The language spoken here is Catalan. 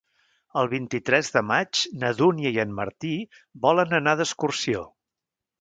El vint-i-tres de maig na Dúnia i en Martí volen anar d'excursió.